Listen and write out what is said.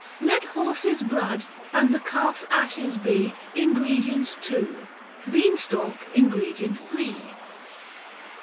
Let horses' blood, and the calf's ashes be Ingredients two, bean stalk ingredient three.